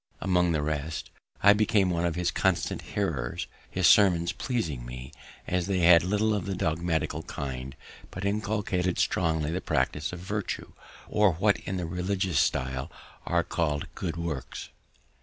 Among the rest, I became one of his constant hearers, his sermons pleasing me, as they had little of the dogmatical kind, but inculcated strongly the practice of virtue, or what in the religious stile are called good works.